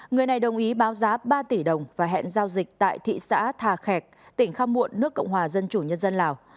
người này đồng ý báo giá ba tỷ đồng và hẹn giao dịch tại thị xã thà khẹc tỉnh khăm muộn nước cộng hòa dân chủ nhân dân lào